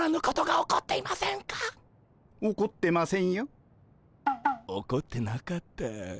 起こってなかった。